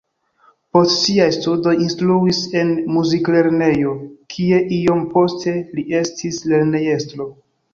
Post siaj studoj li instruis en muziklernejo, kie iom poste li estis lernejestro.